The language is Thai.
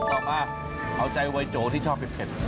ต่อมาเอาใจไวโจทย์ที่ชอบเผ็ด